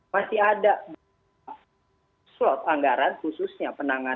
masih ada slot anggaran khususnya